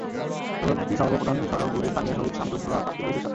শোভাযাত্রাটি শহরের প্রধান সড়ক ঘুরে স্থানীয় শহীদ সামসুজ্জোহা পার্কে গিয়ে শেষ হয়।